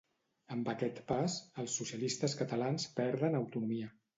Amb aquest pas, els socialistes catalans perden autonomia.